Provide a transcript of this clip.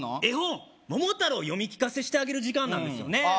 絵本「桃太郎」を読み聞かせしてあげる時間なんですね